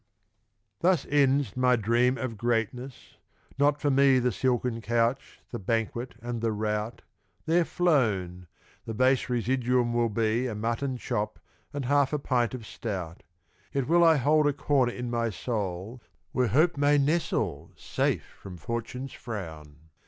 Thus ends my dream of greatness; not for me The silken couch, the banquet, and the rout, They're flown the base residuum will be A mutton chop and half a pint of stout Yet will I hold a corner in my soul Where Hope may nestle safe from Fortune's frown.